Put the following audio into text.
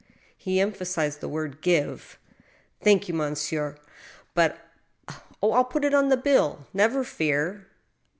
He emphasized the word give, '' Thank you, monsieur, but I —"" Oh, m put it on the bill— never fear